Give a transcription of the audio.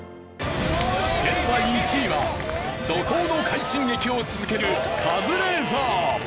現在１位は怒濤の快進撃を続けるカズレーザー。